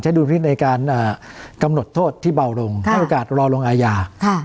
ดุลพินในการกำหนดโทษที่เบาลงให้โอกาสรอลงอาญา